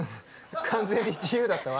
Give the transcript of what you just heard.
完全に自由だったわ。